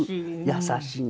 優しい。